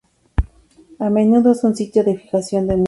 A menudo es un sitio de fijación de músculos.